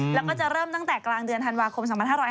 แล้วก็จะเริ่มตั้งแต่กลางเดือนธันวาคม๒๕๖๐